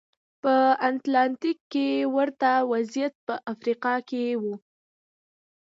په اتلانتیک کې ورته وضعیت په افریقا کې و.